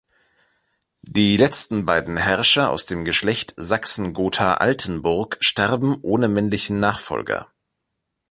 Die letzten beiden Herrscher aus dem Geschlecht Sachsen-Gotha-Altenburg starben ohne männlichen Nachfolger.